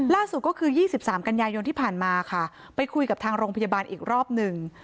ล่าสุดก็คือ๒๓กันยายนที่ผ่านมาค่ะไปคุยกับทางโรงพยาบาลอีกรอบหนึ่ง